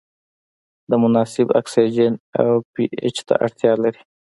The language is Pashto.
د مناسب اکسیجن او پي اچ ته اړتیا لري.